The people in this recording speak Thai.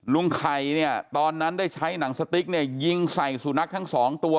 ลุงไข่ตอนนั้นได้ใช้หนังสติ๊กยิงใส่สูนักทั้งสองตัว